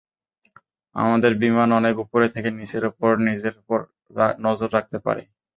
আমাদের বিমান অনেক উপরে থেকে নিচের উপর নজর রাখতে পারে।